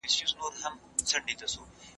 تشدد هیڅ کله هم د ستونزي حل نه دی.